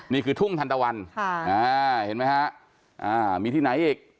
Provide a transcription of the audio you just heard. นี่คือทุ่งทันตะวันเห็นไหมฮะมีที่ไหนอีก